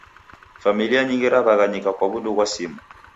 Familia nyingi raw'aghanyika kwa w'undu ghwa simu